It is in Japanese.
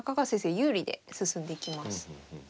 有利で進んでいきます。